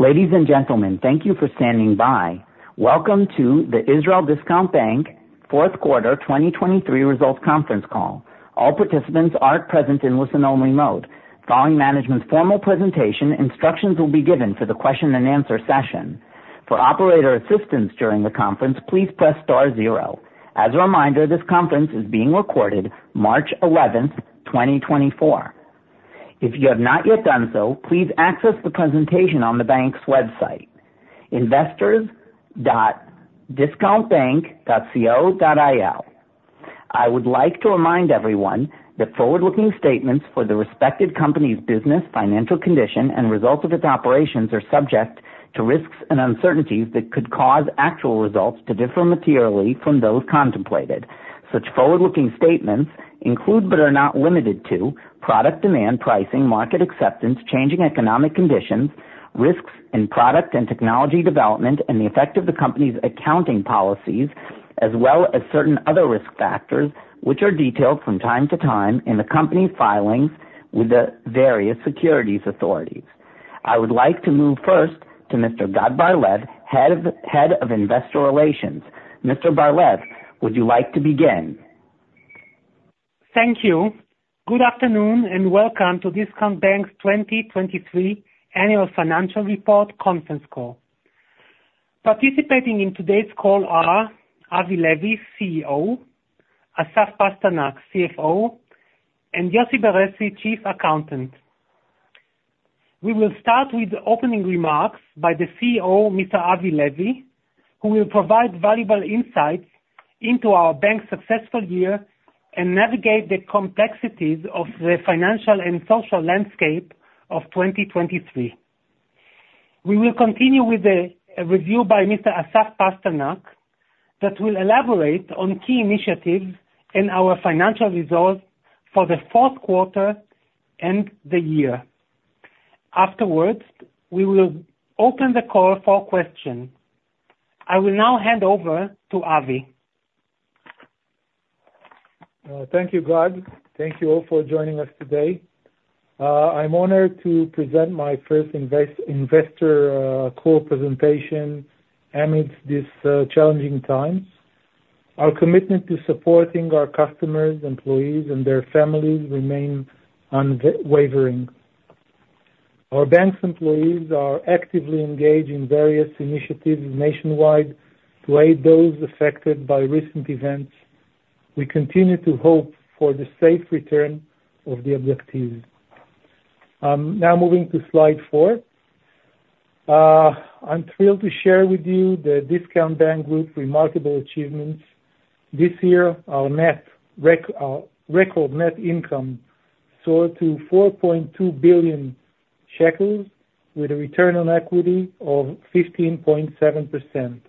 Ladies and gentlemen, thank you for standing by. Welcome to the Israel Discount Bank 4th Quarter 2023 Results Conference Call. All participants are present in listen-only mode. Following management's formal presentation, instructions will be given for the question-and-answer session. For operator assistance during the conference, please press star 0. As a reminder, this conference is being recorded March 11, 2024. If you have not yet done so, please access the presentation on the bank's website: investors.discountbank.co.il. I would like to remind everyone that forward-looking statements for the respective company's business, financial condition, and results of its operations are subject to risks and uncertainties that could cause actual results to differ materially from those contemplated. Such forward-looking statements include but are not limited to product demand, pricing, market acceptance, changing economic conditions, risks in product and technology development and the effect of the company's accounting policies, as well as certain other risk factors which are detailed from time to time in the company's filings with the various securities authorities. I would like to move first to Mr. Gad Barlev, head of investor relations. Mr. Barlev, would you like to begin? Thank you. Good afternoon and welcome to Discount Bank's 2023 Annual Financial Report Conference Call. Participating in today's call are Avi Levi, CEO, Asaf Pasternak, CFO, and Joseph Beressi, Chief Accountant. We will start with opening remarks by the CEO, Mr. Avi Levi, who will provide valuable insights into our bank's successful year and navigate the complexities of the financial and social landscape of 2023. We will continue with a review by Mr. Asaf Pasternak that will elaborate on key initiatives in our financial results for the fourth quarter and the year. Afterwards, we will open the call for questions. I will now hand over to Avi. Thank you, Gad. Thank you all for joining us today. I'm honored to present my first investor call presentation amidst these challenging times. Our commitment to supporting our customers, employees, and their families remains unwavering. Our bank's employees are actively engaged in various initiatives nationwide to aid those affected by recent events. We continue to hope for the safe return of the hostages. Now moving to slide four. I'm thrilled to share with you the Discount Bank Group's remarkable achievements. This year, our record net income soared to 4.2 billion shekels with a return on equity of 15.7%.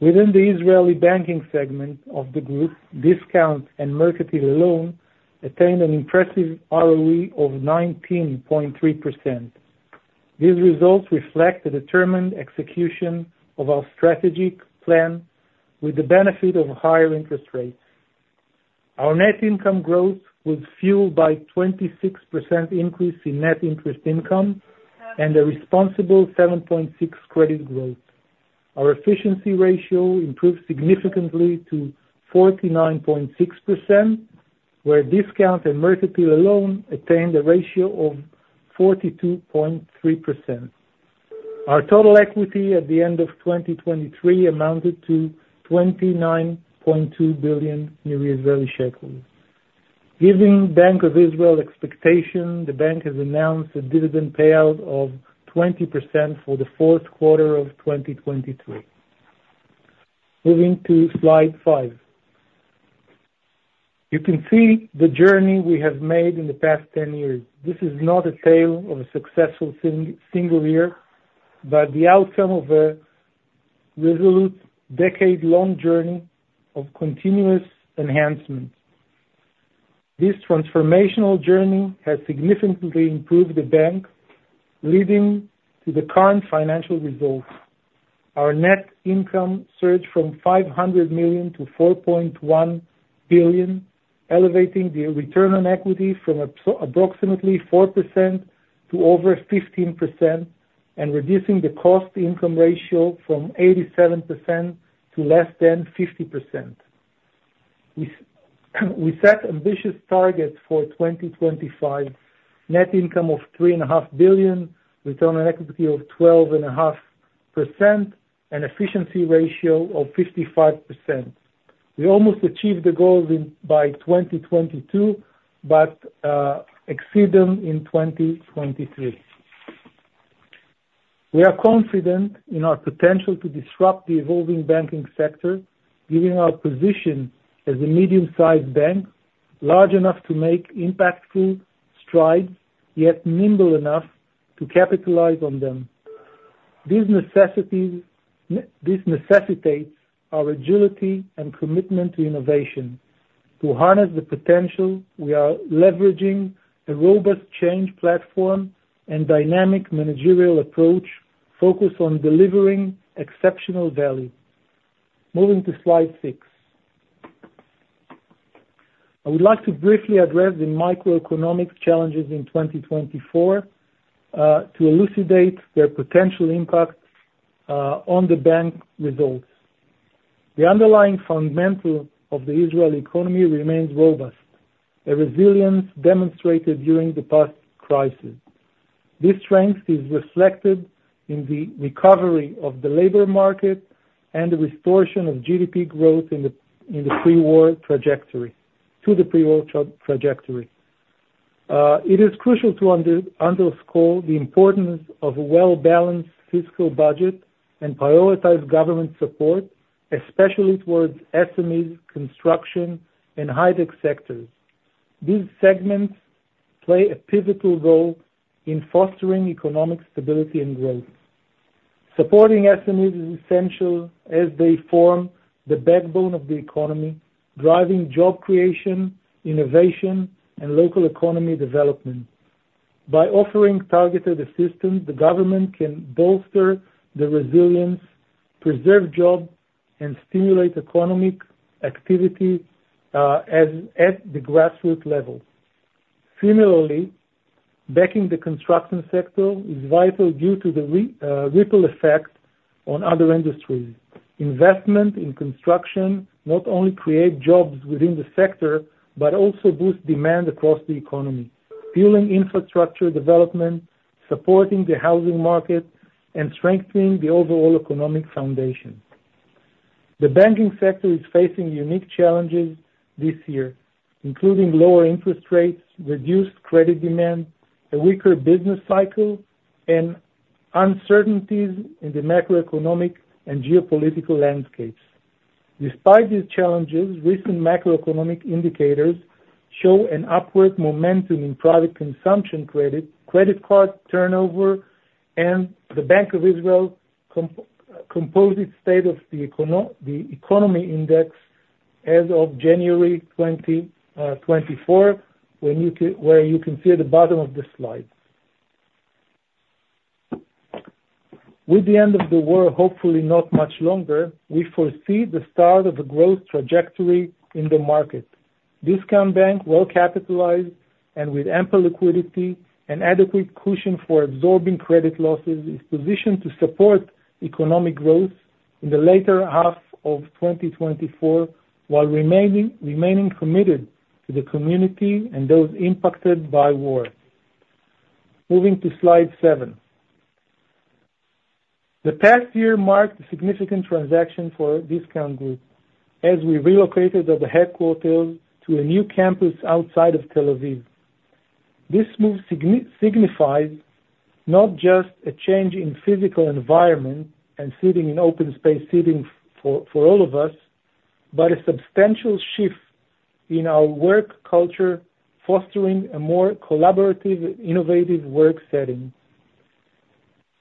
Within the Israeli banking segment of the group, Discount and Mercantile Bank alone attained an impressive ROE of 19.3%. These results reflect the determined execution of our strategic plan with the benefit of higher interest rates. Our net income growth was fueled by a 26% increase in net interest income and a responsible 7.6% credit growth. Our efficiency ratio improved significantly to 49.6%, where Discount and Mercantile alone attained a ratio of 42.3%. Our total equity at the end of 2023 amounted to 29.2 billion. Given Bank of Israel expectations, the bank has announced a dividend payout of 20% for the fourth quarter of 2023. Moving to slide 5. You can see the journey we have made in the past 10 years. This is not a tale of a successful single year, but the outcome of a resolute, decade-long journey of continuous enhancements. This transformational journey has significantly improved the bank, leading to the current financial results. Our net income surged from 500 million to 4.1 billion, elevating the return on equity from approximately 4% to over 15% and reducing the cost-income ratio from 87% to less than 50%. We set ambitious targets for 2025: net income of 3.5 billion, return on equity of 12.5%, and efficiency ratio of 55%. We almost achieved the goals by 2022 but exceeded them in 2023. We are confident in our potential to disrupt the evolving banking sector, given our position as a medium-sized bank, large enough to make impactful strides yet nimble enough to capitalize on them. This necessitates our agility and commitment to innovation. To harness the potential, we are leveraging a robust change platform and dynamic managerial approach focused on delivering exceptional value. Moving to slide six. I would like to briefly address the microeconomic challenges in 2024 to elucidate their potential impact on the bank results. The underlying fundamental of the Israeli economy remains robust, a resilience demonstrated during the past crisis. This strength is reflected in the recovery of the labor market and the restoration of GDP growth in the pre-war trajectory to the pre-war trajectory. It is crucial to underscore the importance of a well-balanced fiscal budget and prioritize government support, especially towards SMEs, construction, and high-tech sectors. These segments play a pivotal role in fostering economic stability and growth. Supporting SMEs is essential as they form the backbone of the economy, driving job creation, innovation, and local economy development. By offering targeted assistance, the government can bolster the resilience, preserve jobs, and stimulate economic activity at the grassroots level. Similarly, backing the construction sector is vital due to the ripple effect on other industries. Investment in construction not only creates jobs within the sector but also boosts demand across the economy, fueling infrastructure development, supporting the housing market, and strengthening the overall economic foundation. The banking sector is facing unique challenges this year, including lower interest rates, reduced credit demand, a weaker business cycle, and uncertainties in the macroeconomic and geopolitical landscapes. Despite these challenges, recent macroeconomic indicators show an upward momentum in private consumption credit card turnover and the Bank of Israel Composite State of the Economy Index as of January 2024, where you can see at the bottom of the slide. With the end of the war, hopefully not much longer, we foresee the start of a growth trajectory in the market. Discount Bank, well-capitalized and with ample liquidity and adequate cushion for absorbing credit losses, is positioned to support economic growth in the later half of 2024 while remaining committed to the community and those impacted by war. Moving to slide seven. The past year marked significant transactions for Discount Group as we relocated the headquarters to a new campus outside of Tel Aviv. This move signifies not just a change in physical environment and open space seating for all of us, but a substantial shift in our work culture, fostering a more collaborative, innovative work setting.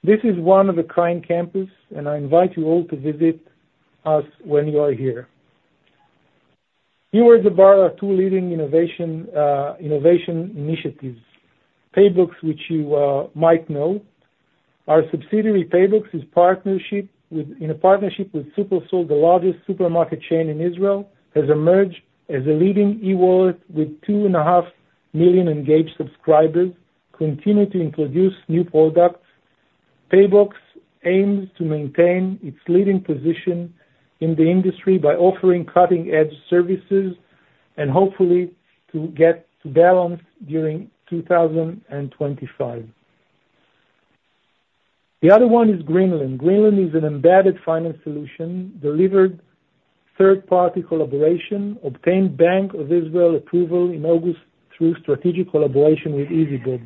This is one-of-a-kind campus, and I invite you all to visit us when you are here. Here are two leading innovation initiatives, PayBox, which you might know. Our subsidiary PayBox is in a partnership with Shufersal, the largest supermarket chain in Israel, has emerged as a leading e-wallet with 2.5 million engaged subscribers, continuing to introduce new products. PayBox aims to maintain its leading position in the industry by offering cutting-edge services and hopefully to get to balance during 2025. The other one is Green Lend. Green Lend is an embedded finance solution delivered through third-party collaboration, obtained Bank of Israel approval in August through strategic collaboration with Ezbob.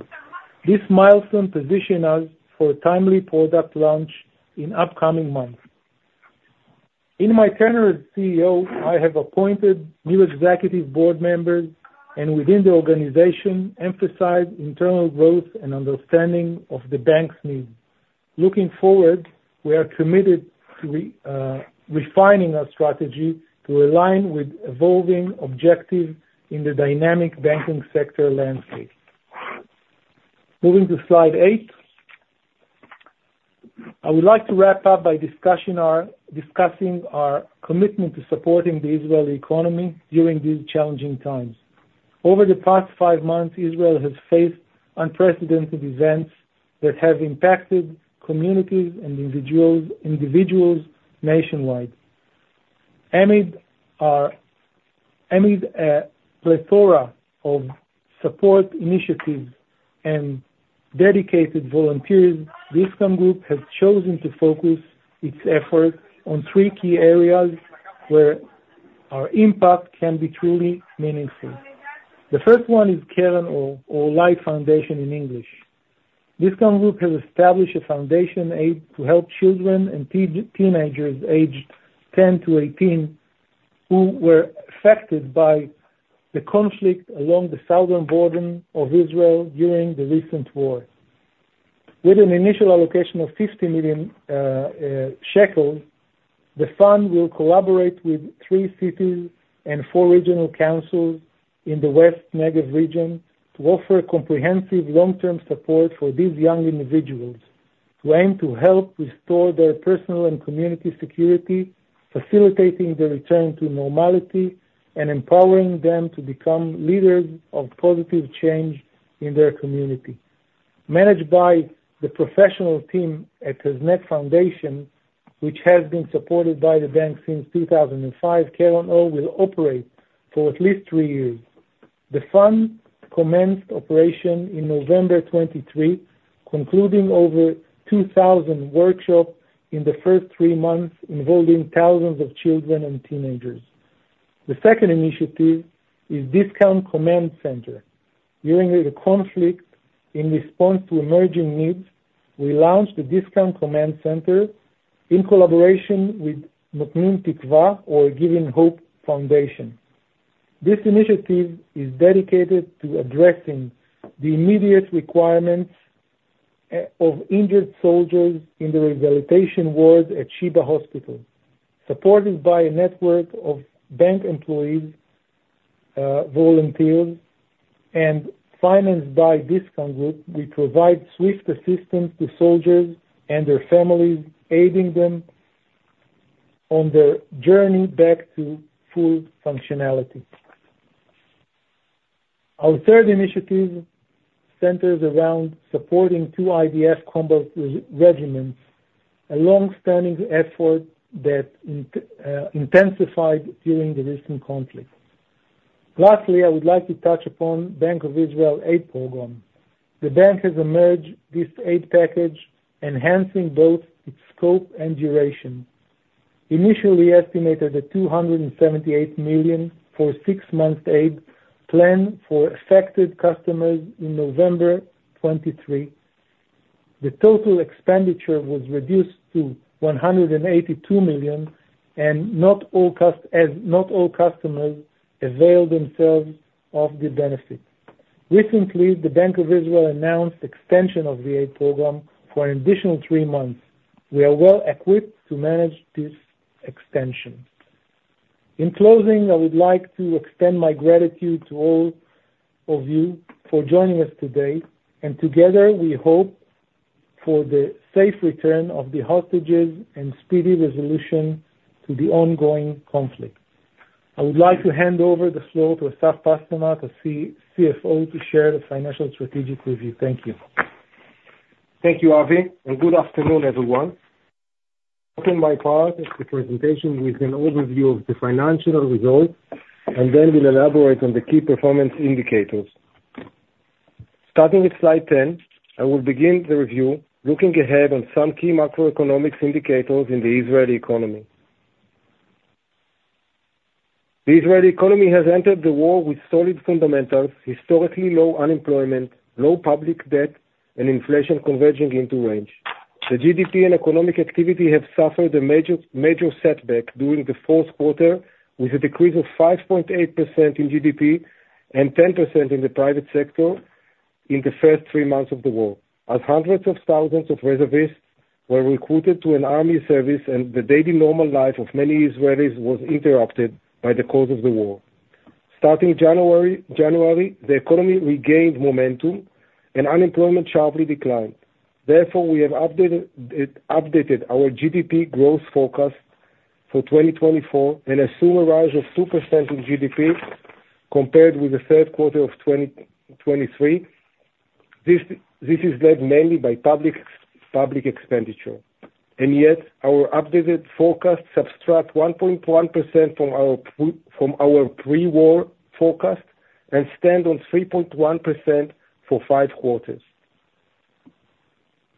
This milestone positioned us for a timely product launch in upcoming months. In my tenure as CEO, I have appointed new executive board members and, within the organization, emphasized internal growth and understanding of the bank's needs. Looking forward, we are committed to refining our strategy to align with evolving objectives in the dynamic banking sector landscape. Moving to slide 8. I would like to wrap up by discussing our commitment to supporting the Israeli economy during these challenging times. Over the past five months, Israel has faced unprecedented events that have impacted communities and individuals nationwide. Amid a plethora of support initiatives and dedicated volunteers, Discount Group has chosen to focus its efforts on three key areas where our impact can be truly meaningful. The first one is Keren Or Life Foundation in English. Discount Group has established a foundation to help children and teenagers aged 10-18 who were affected by the conflict along the southern border of Israel during the recent war. With an initial allocation of 50 million shekels, the fund will collaborate with three cities and four regional councils in the West Negev region to offer comprehensive long-term support for these young individuals to aim to help restore their personal and community security, facilitating their return to normality and empowering them to become leaders of positive change in their community. Managed by the professional team at KAZNET Foundation, which has been supported by the bank since 2005, Keren Or will operate for at least three years. The fund commenced operation in November 2023, concluding over 2,000 workshops in the first three months involving thousands of children and teenagers. The second initiative is Discount Command Center. During the conflict, in response to emerging needs, we launched the Discount Command Center in collaboration with Notnim Tikva, or Giving Hope Foundation. This initiative is dedicated to addressing the immediate requirements of injured soldiers in the rehabilitation wards at Sheba Hospital. Supported by a network of bank employees, volunteers, and financed by Discount Group, we provide swift assistance to soldiers and their families, aiding them on their journey back to full functionality. Our third initiative centers around supporting two IDF combat regiments, a long-standing effort that intensified during the recent conflict. Lastly, I would like to touch upon Bank of Israel Aid Program. The bank has merged this aid package, enhancing both its scope and duration. Initially estimated at 278 million for a six-month aid plan for affected customers in November 2023, the total expenditure was reduced to 182 million, and not all customers availed themselves of the benefit. Recently, the Bank of Israel announced the extension of the aid program for an additional three months. We are well equipped to manage this extension. In closing, I would like to extend my gratitude to all of you for joining us today, and together we hope for the safe return of the hostages and speedy resolution to the ongoing conflict. I would like to hand over the floor to Asaf Pasternak, the CFO, to share the financial strategic review. Thank you. Thank you, Avi, and good afternoon, everyone. Opening by part is the presentation with an overview of the financial results, and then we'll elaborate on the key performance indicators. Starting with slide 10, I will begin the review looking ahead on some key macroeconomic indicators in the Israeli economy. The Israeli economy has entered the war with solid fundamentals, historically low unemployment, low public debt, and inflation converging into range. The GDP and economic activity have suffered a major setback during the fourth quarter, with a decrease of 5.8% in GDP and 10% in the private sector in the first three months of the war, as hundreds of thousands of reservists were recruited to an army service, and the daily normal life of many Israelis was interrupted by the cause of the war. Starting January, the economy regained momentum, and unemployment sharply declined. Therefore, we have updated our GDP growth forecast for 2024 and assume a rise of 2% in GDP compared with the third quarter of 2023. This is led mainly by public expenditure. And yet, our updated forecasts subtract 1.1% from our pre-war forecast and stand on 3.1% for five quarters.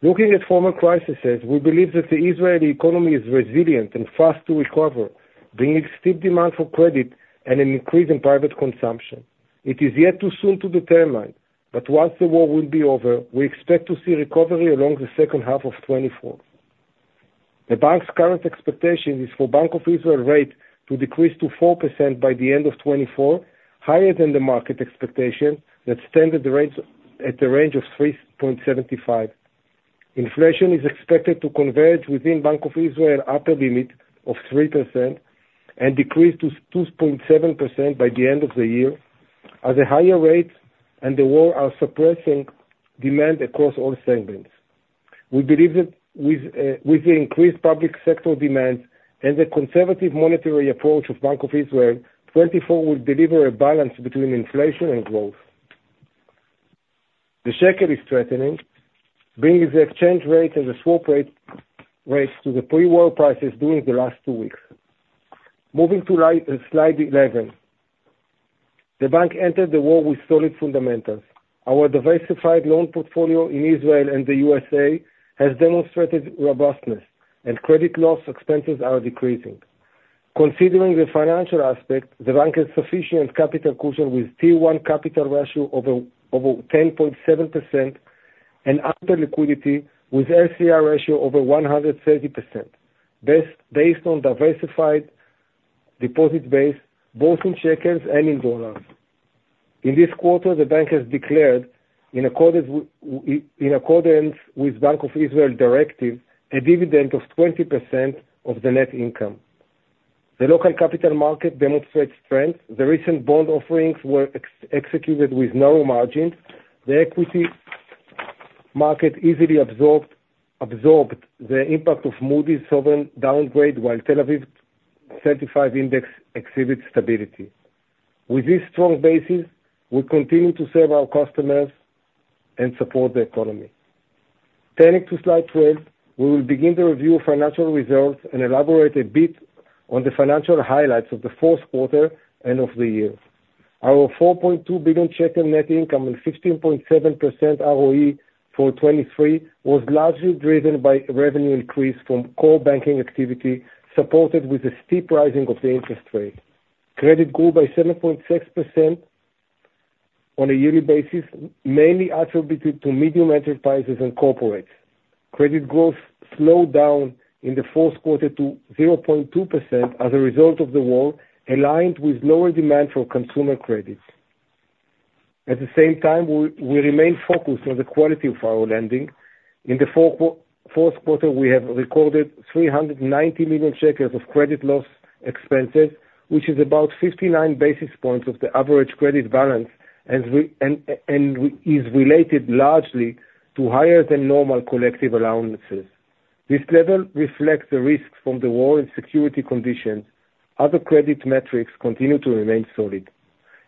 Looking at former crises, we believe that the Israeli economy is resilient and fast to recover, bringing steep demand for credit and an increase in private consumption. It is yet too soon to determine, but once the war will be over, we expect to see recovery along the second half of 2024. The bank's current expectation is for the Bank of Israel's rate to decrease to 4% by the end of 2024, higher than the market expectation that standardized rates at the range of 3.75%. Inflation is expected to converge within the Bank of Israel's upper limit of 3% and decrease to 2.7% by the end of the year, as the higher rates and the war are suppressing demand across all segments. We believe that with the increased public sector demands and the conservative monetary approach of the Bank of Israel, 2024 will deliver a balance between inflation and growth. The shekel is strengthening, bringing the exchange rate and the swap rate to the pre-war prices during the last two weeks. Moving to slide 11. The bank entered the war with solid fundamentals. Our diversified loan portfolio in Israel and the USA has demonstrated robustness, and credit loss expenses are decreasing. Considering the financial aspect, the bank has sufficient capital cushion with a Tier 1 capital ratio of over 10.7% and ample liquidity with an LCR ratio of over 130%, based on a diversified deposit base, both in shekels and in dollars. In this quarter, the bank has declared, in accordance with the Bank of Israel directive, a dividend of 20% of the net income. The local capital market demonstrates strength. The recent bond offerings were executed with narrow margins. The equity market easily absorbed the impact of Moody's' sovereign downgrade, while the Tel Aviv 35 Index exhibited stability. With this strong basis, we continue to serve our customers and support the economy. Turning to slide 12, we will begin the review of financial results and elaborate a bit on the financial highlights of the fourth quarter and of the year. Our 4.2 billion shekel net income and 15.7% ROE for 2023 was largely driven by a revenue increase from core banking activity supported with a steep rising of the interest rate. Credit grew by 7.6% on a yearly basis, mainly attributed to medium enterprises and corporates. Credit growth slowed down in the fourth quarter to 0.2% as a result of the war, aligned with lower demand for consumer credit. At the same time, we remain focused on the quality of our lending. In the fourth quarter, we have recorded 390 million shekels of credit loss expenses, which is about 59 basis points of the average credit balance and is related largely to higher-than-normal collective allowances. This level reflects the risks from the war and security conditions. Other credit metrics continue to remain solid.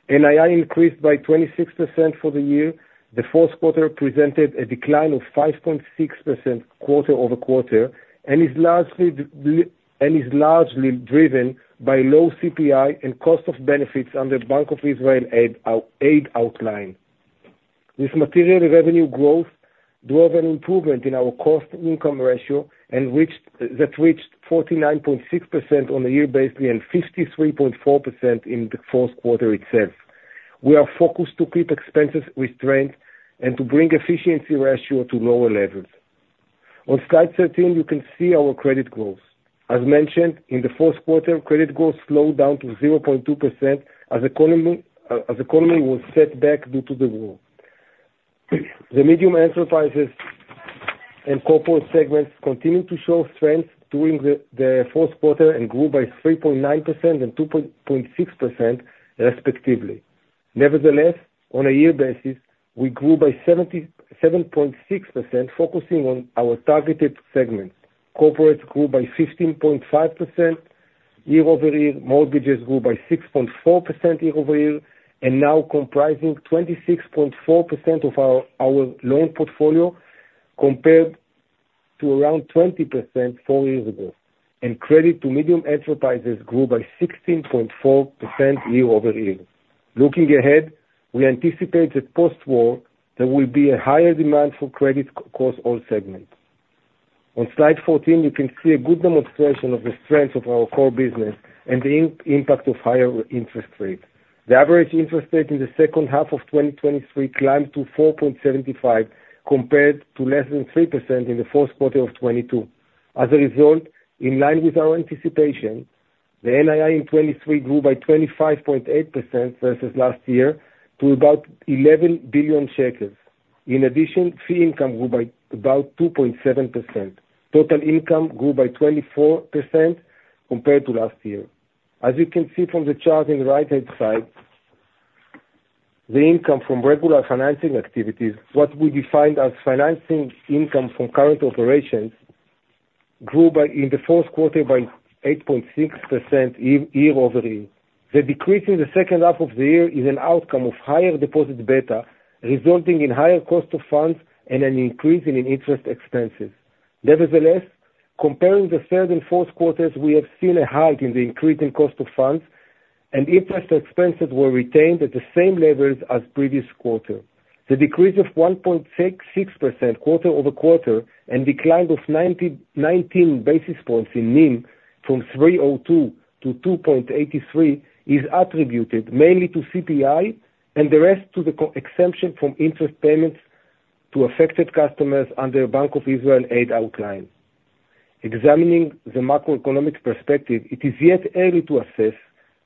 NII increased by 26% for the year. The fourth quarter presented a decline of 5.6% quarter-over-quarter and is largely driven by low CPI and cost of benefits under the Bank of Israel Aid Outline. This material revenue growth drove an improvement in our cost-to-income ratio that reached 49.6% on a year basis and 53.4% in the fourth quarter itself. We are focused to keep expenses restrained and to bring the efficiency ratio to lower levels. On slide 13, you can see our credit growth. As mentioned, in the fourth quarter, credit growth slowed down to 0.2% as the economy was set back due to the war. The medium enterprises and corporate segments continue to show strength during the fourth quarter and grew by 3.9% and 2.6%, respectively. Nevertheless, on a year basis, we grew by 7.6%, focusing on our targeted segments. Corporates grew by 15.5% year-over-year. Mortgages grew by 6.4% year-over-year, and now comprising 26.4% of our loan portfolio compared to around 20% four years ago. And credit to medium enterprises grew by 16.4% year-over-year. Looking ahead, we anticipate that post-war, there will be a higher demand for credit across all segments. On slide 14, you can see a good demonstration of the strength of our core business and the impact of higher interest rates. The average interest rate in the second half of 2023 climbed to 4.75% compared to less than 3% in the fourth quarter of 2022. As a result, in line with our anticipation, the NII in 2023 grew by 25.8% versus last year to about 11 billion shekels. In addition, fee income grew by about 2.7%. Total income grew by 24% compared to last year. As you can see from the chart on the right-hand side, the income from regular financing activities, what we defined as financing income from current operations, grew in the fourth quarter by 8.6% year-over-year. The decrease in the second half of the year is an outcome of higher deposit beta, resulting in higher cost of funds and an increase in interest expenses. Nevertheless, comparing the third and fourth quarters, we have seen a hike in the increase in cost of funds, and interest expenses were retained at the same levels as the previous quarter. The decrease of 1.6% quarter-over-quarter and a decline of 19 basis points in NIM from 302 to 2.83 is attributed mainly to CPI and the rest to the exemption from interest payments to affected customers under the Bank of Israel Aid Outline. Examining the macroeconomic perspective, it is yet early to assess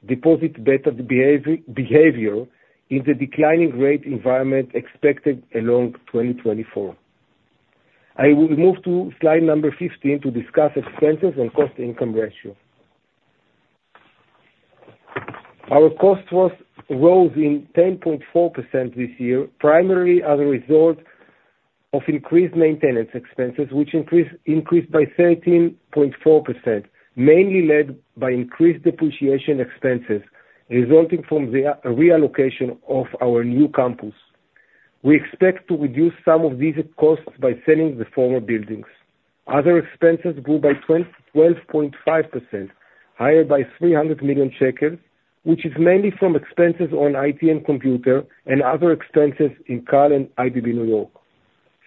deposit beta behavior in the declining rate environment expected along 2024. I will move to slide number 15 to discuss expenses and cost-to-income ratio. Our cost rose by 10.4% this year, primarily as a result of increased maintenance expenses, which increased by 13.4%, mainly led by increased depreciation expenses resulting from the reallocation of our new campus. We expect to reduce some of these costs by selling the former buildings. Other expenses grew by 12.5%, higher by 300 million shekels, which is mainly from expenses on IT and computer and other expenses in Keren, IDB, New York.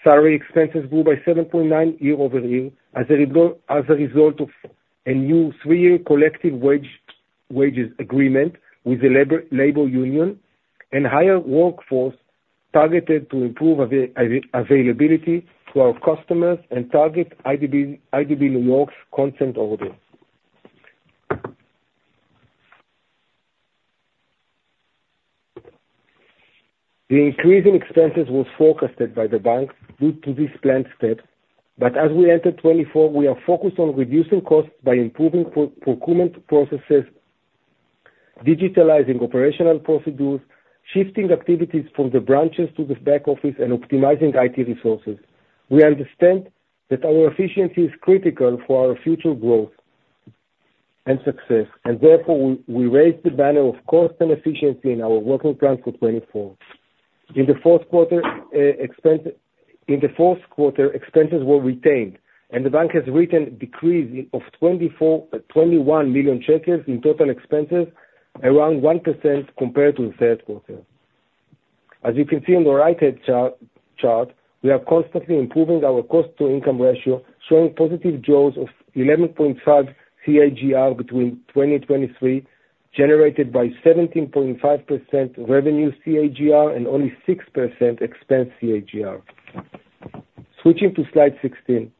Salary expenses grew by 7.9% year-over-year as a result of a new three-year collective wages agreement with the labor union and higher workforce targeted to improve availability to our customers and target IDB, New York's consent order. The increase in expenses was forecasted by the bank due to these planned steps, but as we entered 2024, we are focused on reducing costs by improving procurement processes, digitalizing operational procedures, shifting activities from the branches to the back office, and optimizing IT resources. We understand that our efficiency is critical for our future growth and success, and therefore, we raised the banner of cost and efficiency in our working plan for 2024. In the fourth quarter, expenses were retained, and the bank has written a decrease of 21 million shekels in total expenses, around 1% compared to the third quarter. As you can see on the right-hand chart, we are constantly improving our cost-to-income ratio, showing positive jaws of 11.5 CAGR between 2023, generated by 17.5% revenue CAGR and only 6% expense CAGR. Switching to slide 16,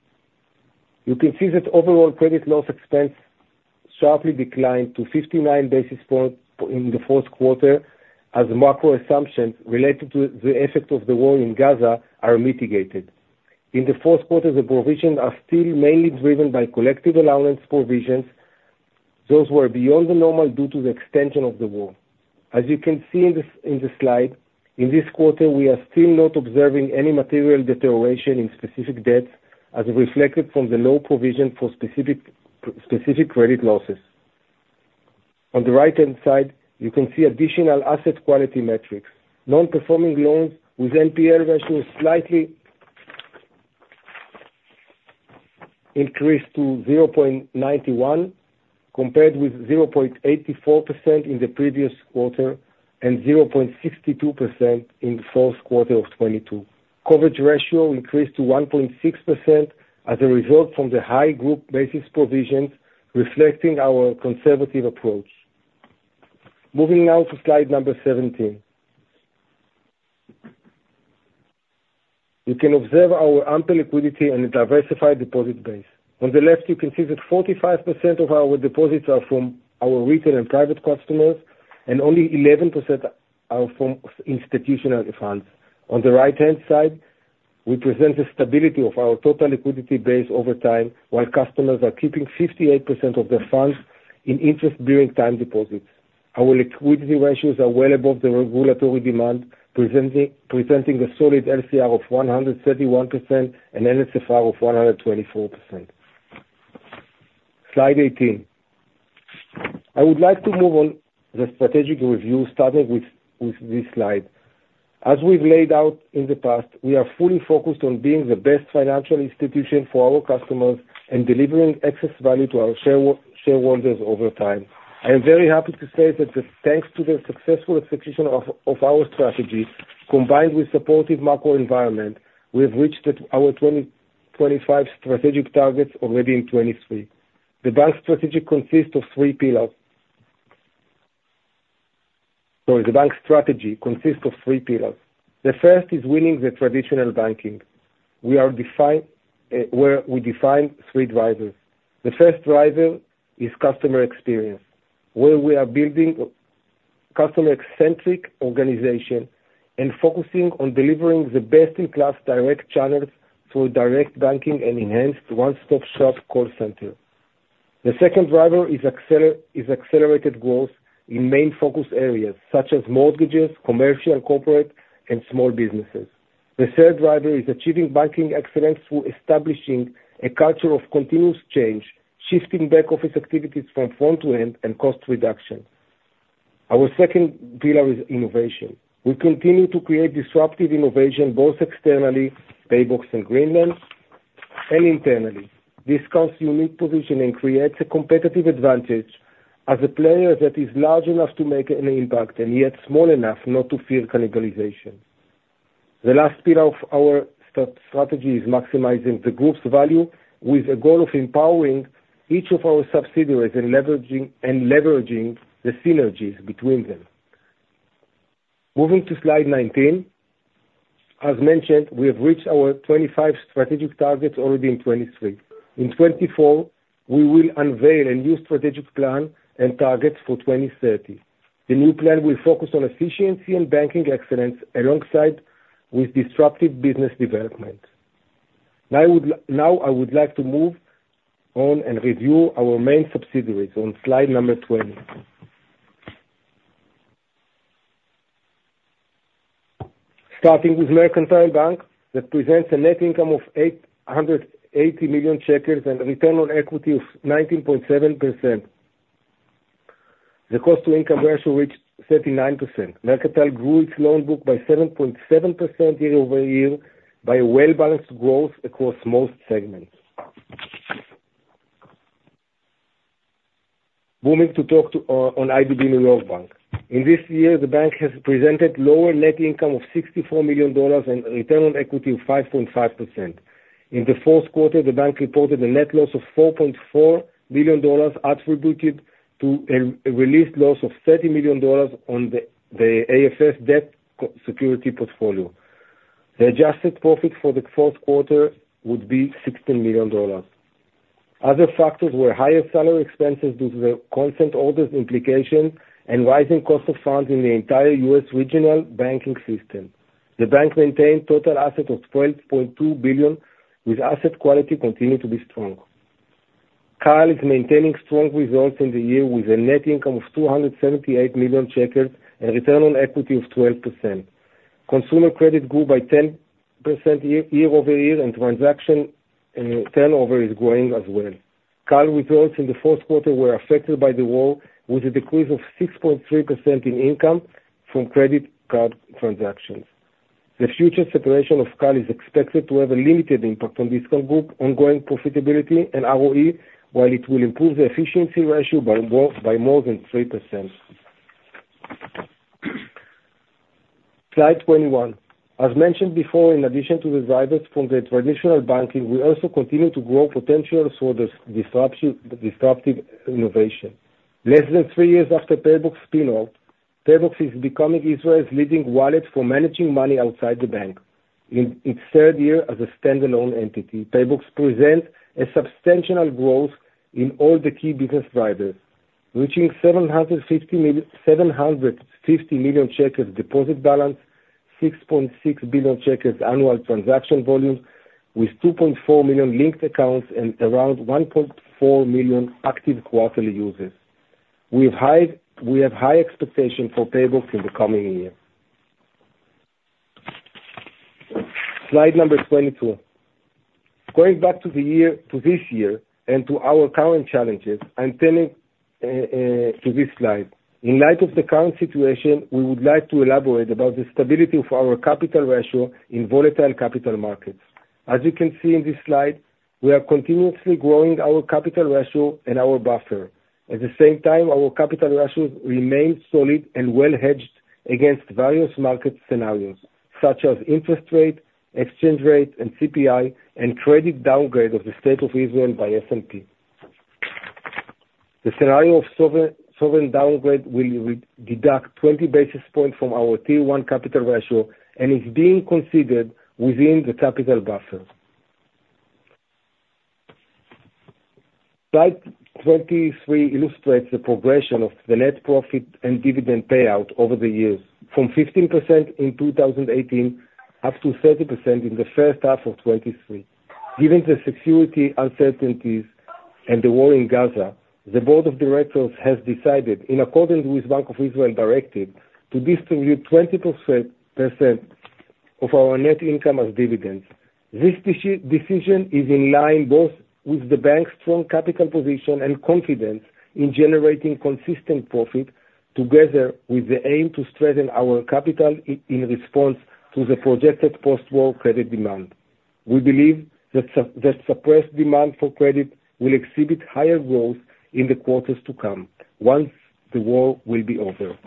you can see that overall credit loss expense sharply declined to 59 basis points in the fourth quarter as macro assumptions related to the effect of the war in Gaza are mitigated. In the fourth quarter, the provisions are still mainly driven by collective allowance provisions. Those were beyond the normal due to the extension of the war. As you can see in the slide, in this quarter, we are still not observing any material deterioration in specific debts as reflected from the low provision for specific credit losses. On the right-hand side, you can see additional asset quality metrics. Non-performing loans with NPL ratios slightly increased to 0.91 compared with 0.84% in the previous quarter and 0.62% in the fourth quarter of 2022. Coverage ratio increased to 1.6% as a result from the high group basis provisions, reflecting our conservative approach. Moving now to slide number 17. You can observe our ample liquidity and a diversified deposit base. On the left, you can see that 45% of our deposits are from our retail and private customers, and only 11% are from institutional funds. On the right-hand side, we present the stability of our total liquidity base over time, while customers are keeping 58% of their funds in interest-bearing time deposits. Our liquidity ratios are well above the regulatory demand, presenting a solid LCR of 131% and an NSFR of 124%. Slide 18. I would like to move on to the strategic review, starting with this slide. As we've laid out in the past, we are fully focused on being the best financial institution for our customers and delivering excess value to our shareholders over time. I am very happy to say that thanks to the successful execution of our strategy, combined with a supportive macro environment, we have reached our 2025 strategic targets already in 2023. The bank's strategy consists of three pillars. Sorry, the bank's strategy consists of three pillars. The first is winning the traditional banking. We define three drivers. The first driver is customer experience, where we are building a customer-centric organization and focusing on delivering the best-in-class direct channels through direct banking and enhanced one-stop-shop call center. The second driver is accelerated growth in main focus areas such as mortgages, commercial, corporate, and small businesses. The third driver is achieving banking excellence through establishing a culture of continuous change, shifting back-office activities from front to end, and cost reduction. Our second pillar is innovation. We continue to create disruptive innovation, both externally, PayBox, and Green Lend, and internally. This counts as a unique position and creates a competitive advantage as a player that is large enough to make an impact and yet small enough not to fear cannibalization. The last pillar of our strategy is maximizing the group's value with a goal of empowering each of our subsidiaries and leveraging the synergies between them. Moving to slide 19. As mentioned, we have reached our 2025 strategic targets already in 2023. In 2024, we will unveil a new strategic plan and targets for 2030. The new plan will focus on efficiency and banking excellence alongside disruptive business development. Now, I would like to move on and review our main subsidiaries on slide number 20. Starting with Mercantile Bank, that presents a net income of 880 million shekels and a return on equity of 19.7%. The cost-to-income ratio reached 39%. Mercantile grew its loan book by 7.7% year-over-year by well-balanced growth across most segments. Moving to talk on IDB, New York Bank. In this year, the bank has presented a lower net income of $64 million and a return on equity of 5.5%. In the fourth quarter, the bank reported a net loss of $4.4 million attributed to a released loss of $30 million on the AFS Debt Security Portfolio. The adjusted profit for the fourth quarter would be $16 million. Other factors were higher salary expenses due to the content order's implication and rising cost of funds in the entire U.S. regional banking system. The bank maintained a total asset of $12.2 billion, with asset quality continuing to be strong. CAL is maintaining strong results in the year with a net income of 278 million shekels and a return on equity of 12%. Consumer credit grew by 10% year-over-year, and transaction turnover is growing as well. CAL's results in the fourth quarter were affected by the war, with a decrease of 6.3% in income from credit card transactions. The future separation of CAL is expected to have a limited impact on this group's ongoing profitability and ROE, while it will improve the efficiency ratio by more than 3%. Slide 21. As mentioned before, in addition to the drivers from the traditional banking, we also continue to grow potentials for disruptive innovation. Less than three years after PayBox spin-off, PayBox is becoming Israel's leading wallet for managing money outside the bank. In its third year as a standalone entity, PayBox presents a substantial growth in all the key business drivers, reaching 750 million deposit balance, 6.6 billion annual transaction volumes, with 2.4 million linked accounts and around 1.4 million active quarterly users. We have high expectations for PayBox in the coming year. Slide number 22. Going back to this year and to our current challenges, I'm turning to this slide. In light of the current situation, we would like to elaborate about the stability of our capital ratio in volatile capital markets. As you can see in this slide, we are continuously growing our capital ratio and our buffer. At the same time, our capital ratios remain solid and well-hedged against various market scenarios such as interest rate, exchange rate, and CPI, and credit downgrade of the State of Israel by S&P. The scenario of sovereign downgrade will deduct 20 basis points from our Tier 1 Capital Ratio and is being considered within the capital buffer. Slide 23 illustrates the progression of the net profit and dividend payout over the years, from 15% in 2018 up to 30% in the first half of 2023. Given the security uncertainties and the war in Gaza, the Board of Directors has decided, in accordance with the Bank of Israel directive, to distribute 20% of our net income as dividends. This decision is in line both with the bank's strong capital position and confidence in generating consistent profit together with the aim to strengthen our capital in response to the projected post-war credit demand. We believe that suppressed demand for credit will exhibit higher growth in the quarters to come once the war will be over.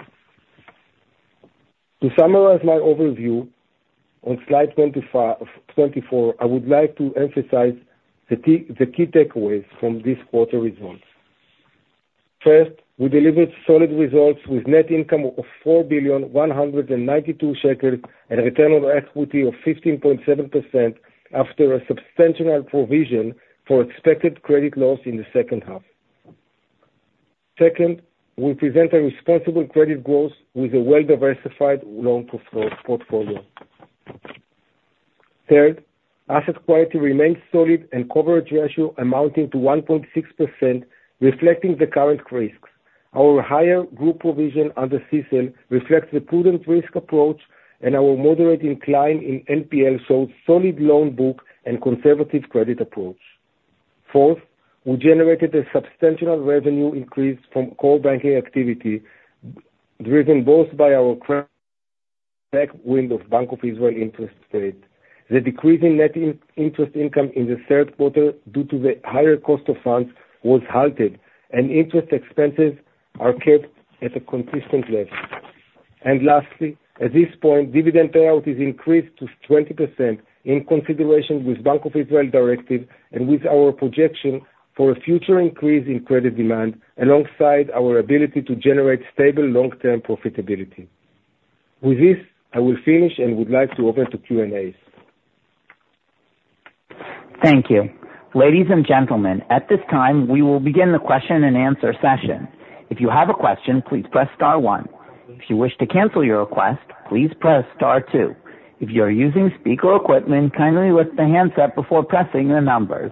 To summarize my overview on slide 24, I would like to emphasize the key takeaways from this quarter's results. First, we delivered solid results with net income of 4.192 billion shekels and a return on equity of 15.7% after a substantial provision for expected credit loss in the second half. Second, we present a responsible credit growth with a well-diversified loan portfolio. Third, asset quality remains solid and coverage ratio amounting to 1.6%, reflecting the current risks. Our higher group provision under CECL reflects the prudent risk approach, and our moderate increase in NPL shows solid loan book and conservative credit approach. Fourth, we generated a substantial revenue increase from core banking activity driven both by our current Bank of Israel interest rate. The decrease in net interest income in the third quarter due to the higher cost of funds was halted, and interest expenses are kept at a consistent level. And lastly, at this point, dividend payout is increased to 20% in consideration with the Bank of Israel directive and with our projection for a future increase in credit demand alongside our ability to generate stable long-term profitability. With this, I will finish and would like to open to Q&As. Thank you. Ladies and gentlemen, at this time, we will begin the question-and-answer session. If you have a question, please press star one. If you wish to cancel your request, please press star two. If you are using speaker equipment, kindly lift the hands up before pressing the numbers.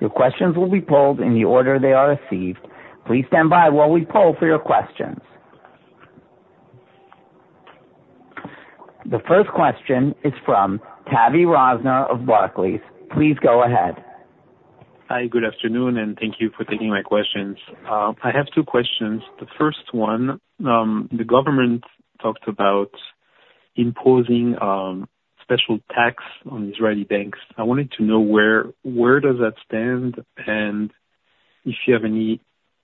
Your questions will be polled in the order they are received. Please stand by while we poll for your questions. The first question is from Tavy Rosner of Barclays. Please go ahead. Hi. Good afternoon, and thank you for taking my questions. I have two questions. The first one, the government talked about imposing special tax on Israeli banks. I wanted to know where does that stand and if you have any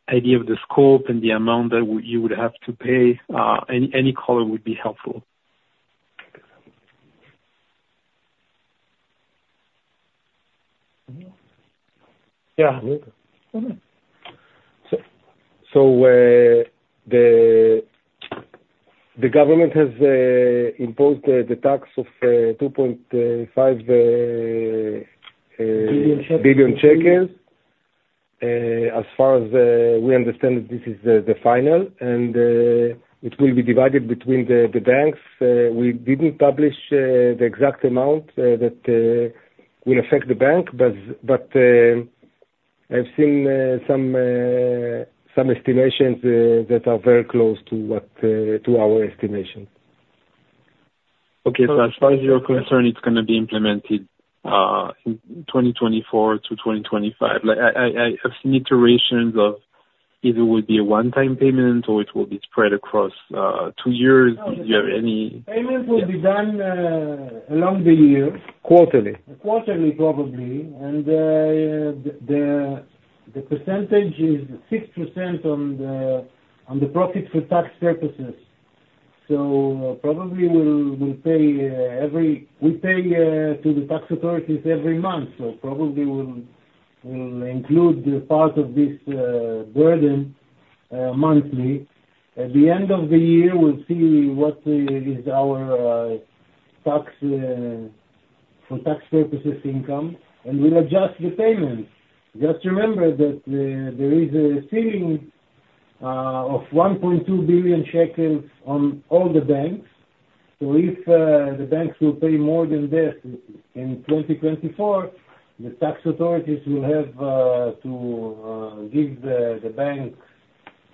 idea of the scope and the amount that you would have to pay. Any color would be helpful. Yeah. So the government has imposed the tax of 2.5 billion. As far as we understand it, this is the final, and it will be divided between the banks. We didn't publish the exact amount that will affect the bank, but I've seen some estimations that are very close to our estimation. Okay. So as far as you're concerned, it's going to be implemented in 2024 to 2025? I've seen iterations of either it would be a one-time payment or it will be spread across two years. Do you have any? Payment will be done along the year. Quarterly. Quarterly, probably. And the percentage is 6% on the profit for tax purposes. So probably we'll pay every we pay to the tax authorities every month, so probably we'll include part of this burden monthly. At the end of the year, we'll see what is our tax for tax purposes income, and we'll adjust the payment. Just remember that there is a ceiling of 1.2 billion shekels on all the banks. So if the banks will pay more than this in 2024, the tax authorities will have to give the banks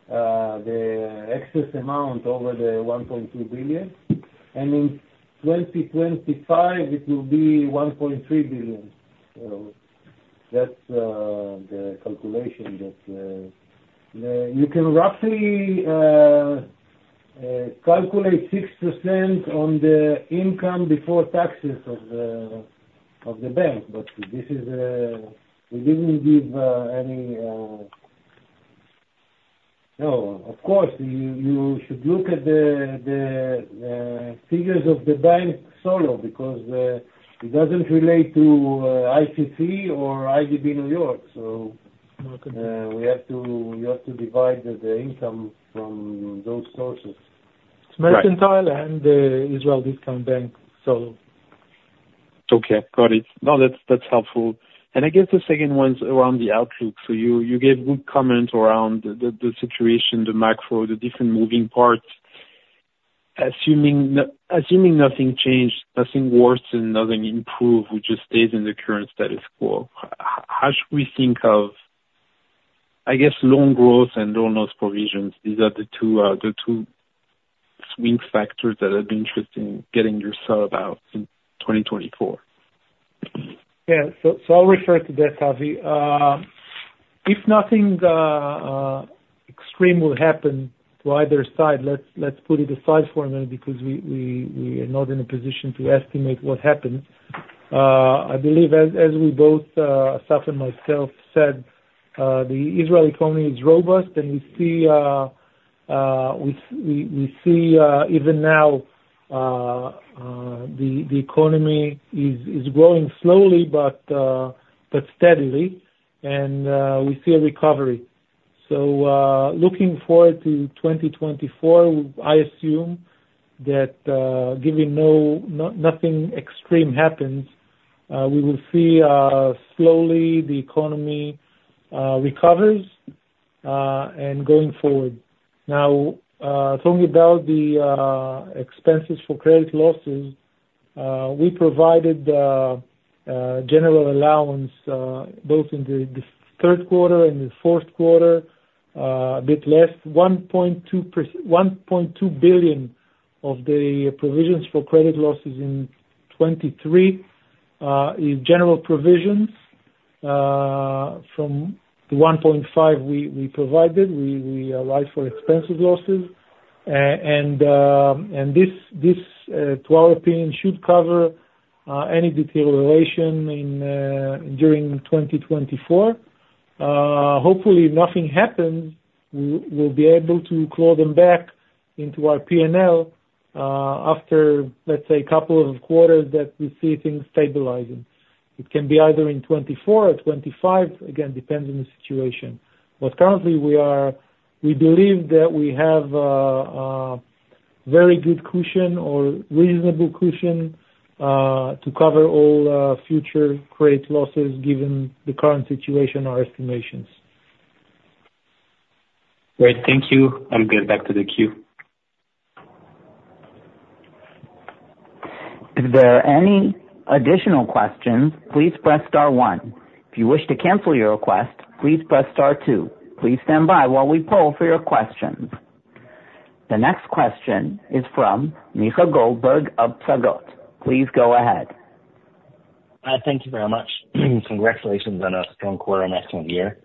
the excess amount over the 1.2 billion. And in 2025, it will be 1.3 billion. That's the calculation that you can roughly calculate 6% on the income before taxes of the bank, but we didn't give any. No, of course, you should look at the figures of the bank solo because it doesn't relate to ICC or IDB, New York. So we have to divide the income from those sources. It's Mercantile and Israel Discount Bank solo. Okay. Got it. No, that's helpful. And I guess the second one's around the outlook. So you gave good comments around the situation, the macro, the different moving parts. Assuming nothing changes, nothing worsens, nothing improves, we just stay in the current status quo, how should we think of, I guess, loan growth and loan loss provisions? These are the two swing factors that have been interesting getting your thought about in 2024. Yeah. So I'll refer to that, Tavy. If nothing extreme will happen to either side, let's put it aside for a minute because we are not in a position to estimate what happens. I believe, as we both, Asaf and myself, said, the Israeli economy is robust, and we see even now, the economy is growing slowly but steadily, and we see a recovery. Looking forward to 2024, I assume that given nothing extreme happens, we will see slowly the economy recovers and going forward. Now, talking about the expenses for credit losses, we provided general allowance both in the third quarter and the fourth quarter, a bit less. 1.2 billion of the provisions for credit losses in 2023 is general provisions. From the 1.5 billion, we provided. We arrived for expected losses. And this, to our opinion, should cover any deterioration during 2024. Hopefully, if nothing happens, we'll be able to claw them back into our P&L after, let's say, a couple of quarters that we see things stabilizing. It can be either in 2024 or 2025. Again, it depends on the situation. But currently, we believe that we have a very good cushion or reasonable cushion to cover all future credit losses given the current situation, our estimations. Great. Thank you. I'm going to get back to the queue. If there are any additional questions, please press star one. If you wish to cancel your request, please press star two. Please stand by while we poll for your questions. The next question is from Micha Goldberg of Psagot. Please go ahead. Thank you very much. Congratulations on a strong quarter and excellent year.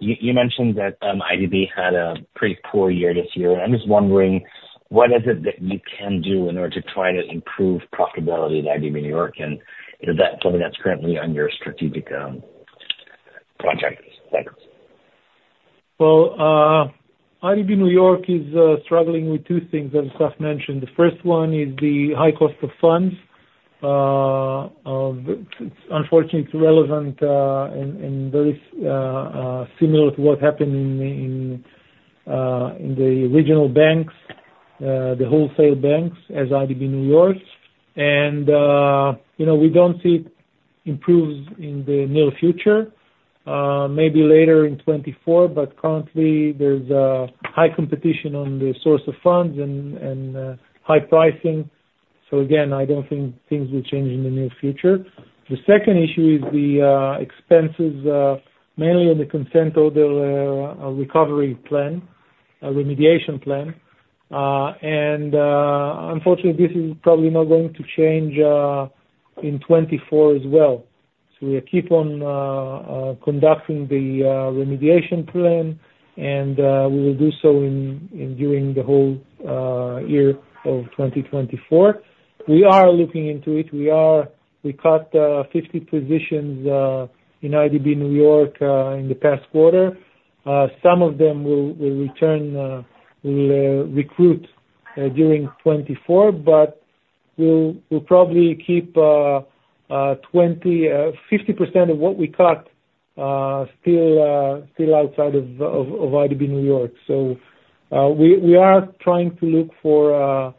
You mentioned that IDB had a pretty poor year this year, and I'm just wondering, what is it that you can do in order to try to improve profitability at IDB, New York, and is that something that's currently on your strategic project? Thanks. Well, IDB, New York, is struggling with two things, as Asaf mentioned. The first one is the high cost of funds. Unfortunately, it's relevant and very similar to what happened in the regional banks, the wholesale banks as IDB, New York. We don't see improvements in the near future, maybe later in 2024, but currently, there's high competition on the source of funds and high pricing. So again, I don't think things will change in the near future. The second issue is the expenses, mainly on the consent order recovery plan, remediation plan. Unfortunately, this is probably not going to change in 2024 as well. We'll keep on conducting the remediation plan, and we will do so during the whole year of 2024. We are looking into it. We cut 50 positions in IDB, New York, in the past quarter. Some of them will return. We'll recruit during 2024, but we'll probably keep 50% of what we cut still outside of IDB, New York. So we are trying to look for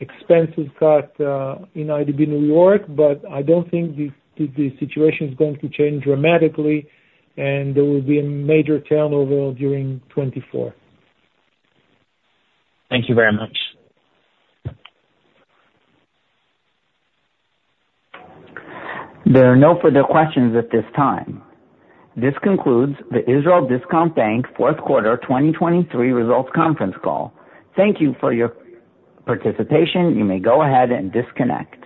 expenses cut in IDB, New York, but I don't think the situation is going to change dramatically, and there will be a major turnover during 2024. Thank you very much. There are no further questions at this time. This concludes the Israel Discount Bank fourth quarter 2023 results conference call. Thank you for your participation. You may go ahead and disconnect.